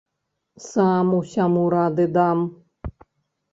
Сам усяму рады дам!